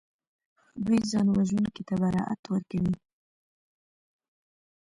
دوی ځانوژونکي ته برائت ورکوي